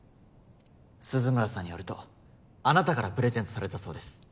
鈴村さんによるとあなたからプレゼントされたそうです。